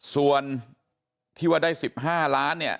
ส่วนที่ว่าได้๑๕ล้านเนี่ย